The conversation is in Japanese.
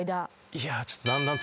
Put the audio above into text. いやちょっと。